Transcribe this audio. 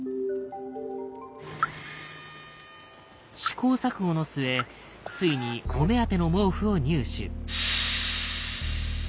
試行錯誤の末ついにお目当ての毛布を入手。